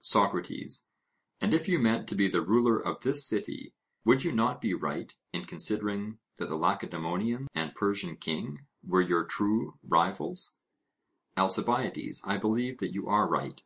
SOCRATES: And if you meant to be the ruler of this city, would you not be right in considering that the Lacedaemonian and Persian king were your true rivals? ALCIBIADES: I believe that you are right.